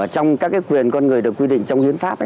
trong các quyền con người được quy định trong hiến pháp